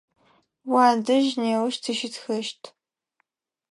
Уадэжь неущ тыщытхэщт.